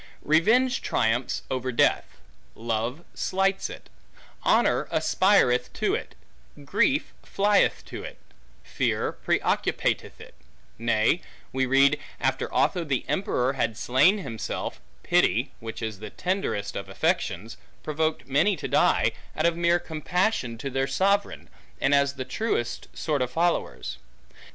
Revenge triumphs over death; love slights it; honor aspireth to it; grief flieth to it; fear preoccupateth it; nay, we read, after Otho the emperor had slain himself, pity (which is the tenderest of affections) provoked many to die, out of mere compassion to their sovereign, and as the truest sort of followers.